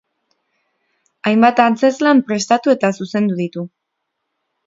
Hainbat antzezlan prestatu eta zuzendu ditu.